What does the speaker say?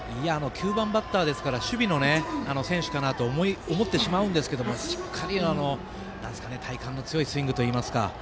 ９番バッターですから守備の選手かなと思ってしまうんですがしっかり体幹の強いスイングといいますか。